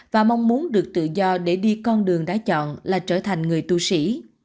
và mong muốn được tự do để đi con đường đã chọn là trở thành người tu sĩ